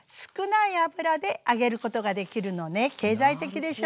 経済的でしょ？